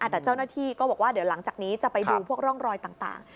แต่เจ้าหน้าที่ก็บอกว่าเดี๋ยวหลังจากนี้จะไปดูพวกร่องรอยต่าง